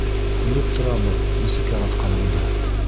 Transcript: Күреп торабыҙ нисек яратҡаныңды.